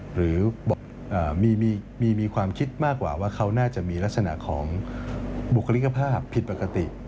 หรือมีความคิดมากกว่าว่าเขาน่าจะมีลักษณะของบุคลิกภาพผิดปกติ